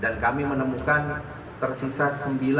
dan kami menemukan tersisa sembilan peluru